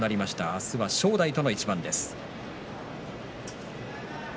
明日は正代との一番です。